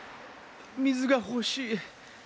水が欲しい。